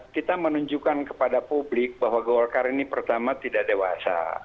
kita menunjukkan kepada publik bahwa golkar ini pertama tidak dewasa